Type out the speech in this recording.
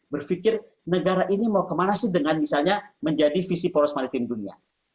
berpikir negara ini mau kemana sih dengan misalnya menjadi visi poros maritim dunia